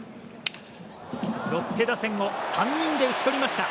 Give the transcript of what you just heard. ロッテ打線を３人で打ち取りました。